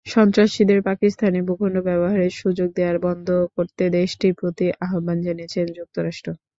সন্ত্রাসীদের পাকিস্তানের ভূখণ্ড ব্যবহারের সুযোগ দেওয়া বন্ধ করতে দেশটির প্রতি আহ্বান জানিয়েছে যুক্তরাষ্ট্র।